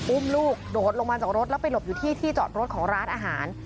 อุ้มลูกโดดลงมาจากรถแล้วไปหลบอยู่ที่ที่จอดรถของร้านอาหาร